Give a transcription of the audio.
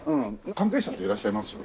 関係者っていらっしゃいます？